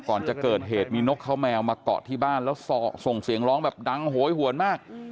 ก่อนจะเกิดเหตุมีนกเขาแมวมาเกาะที่บ้านแล้วส่งเสียงร้องแบบดังโหยหวนมาก